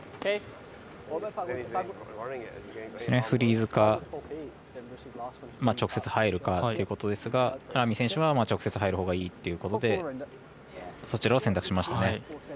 フリーズか直接入るかということですが直接入るほうがいいということでそちらを選択しましたね。